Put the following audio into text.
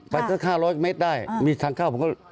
สัก๕๐๐เมตรได้มีทางเข้าผมก็